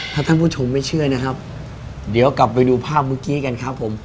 ถ้าท่านผู้ชมไม่เชื่อนะครับเดี๋ยวกลับไปดูภาพเมื่อกี้กันครับผม